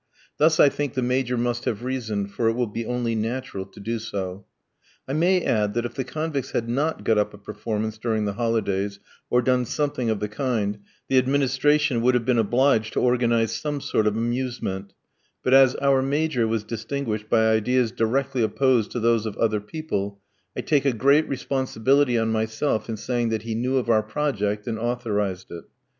Thus I think the Major must have reasoned, for it will be only natural to do so. I may add that if the convicts had not got up a performance during the holidays, or done something of the kind, the administration would have been obliged to organise some sort of amusement; but as our Major was distinguished by ideas directly opposed to those of other people, I take a great responsibility on myself in saying that he knew of our project and authorised it.